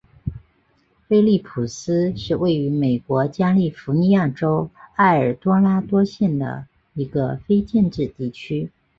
菲利普斯是位于美国加利福尼亚州埃尔多拉多县的一个非建制地区。